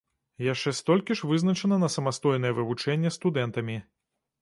Яшчэ столькі ж вызначана на самастойнае вывучэнне студэнтамі.